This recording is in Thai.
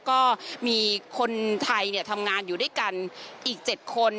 ก็มีคนไทยทำงานอยู่ด้วยกันอีก๗คน